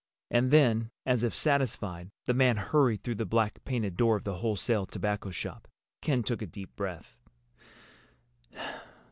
And then, as if satisfied, the man hurried through the black painted door of the wholesale tobacco shop. Ken took a deep breath.